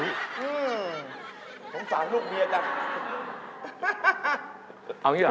หืมสามลูกเบียล่ะ